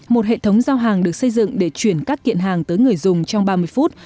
một hệ thống giao hàng được xây dựng để chuyển các kiện hàng tới người dùng trong ba mươi phút